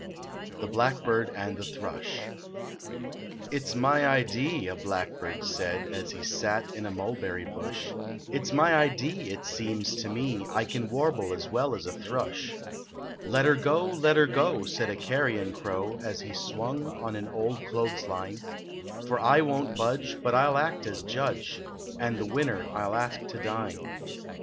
THE BLACKBIRD AND THE THRUSH " It s my idee," a blackbird said, As he sat in a mulberry bush, " It s my idee it seems to me I can warble as well as a thrush." " Let er go, let er go," said a carrion crow, As he swung on an old clothes line, " For I won t budge, but I ll act as judge And the winner I ll ask to dine."